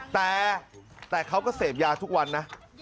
แต่เขาก็เสพยาทุกวันนะ